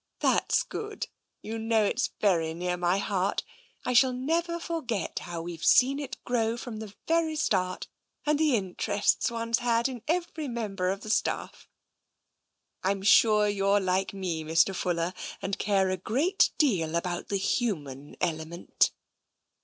" That's good. You know it's very near my heart. I shall never forget how we've seen it grow from the very start, and the interest one's had in every member of the staff. Fm sure you're like me, Mr. Fuller, and care a great deal about the human element."